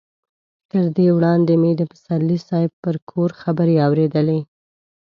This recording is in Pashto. تر دې وړاندې مې د پسرلي صاحب پر کور خبرې اورېدلې.